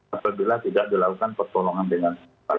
apabila tidak dilakukan pertolongan dengan cepat